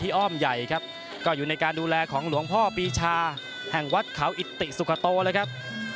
อ้อมใหญ่ครับก็อยู่ในการดูแลของหลวงพ่อปีชาแห่งวัดเขาอิติสุขโตเลยครับ